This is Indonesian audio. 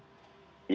iya terima kasih